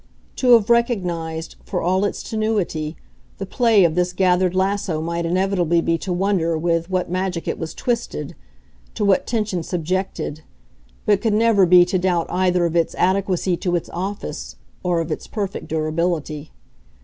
To have recognised, for all its tenuity, the play of this gathered lasso might inevitably be to wonder with what magic it was twisted, to what tension subjected, but could never be to doubt either of its adequacy to its office or of its perfect durability.